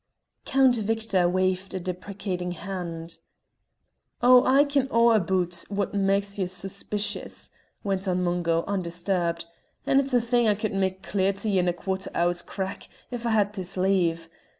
Count Victor waved a deprecating hand. "Oh, I ken a' aboot what mak's ye sae suspicious," went on Mungo, undisturbed, "and it's a thing I could mak' clear to ye in a quarter hour's crack if I had his leave.